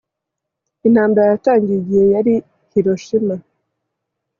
Intambara yatangiye igihe yari i Hiroshima